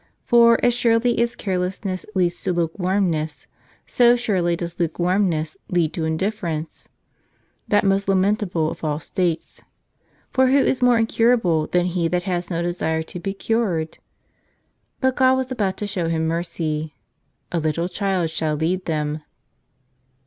For as surely as carelessness leads to lukewarmness, so surely does lukewarmness lead to indifference, that most lamentable of all states. For who is more incurable than he that has no desire to be cured? But God was about to show him mercy. "A little child shall lead them."